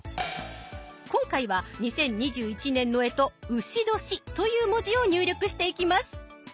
今回は２０２１年の干支「丑年」という文字を入力していきます。